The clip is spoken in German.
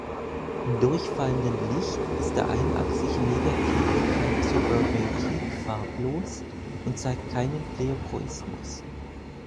Im durchfallenden Licht ist der einachsig negative Calcioburbankit farblos und zeigt keinen Pleochroismus.